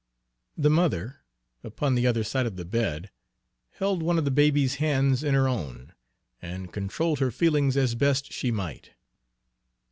The mother, upon the other side of the bed, held one of the baby's hands in her own, and controlled her feelings as best she might.